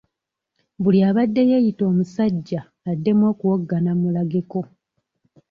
Buli abadde yeeyita omusajja addemu okuwoggana mmulageko.